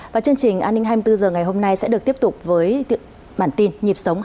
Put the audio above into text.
và chương trình an ninh hai mươi bốn giờ ngày hôm nay sẽ được tiếp tục với bản tin nhịp sống hai mươi bốn trên bảy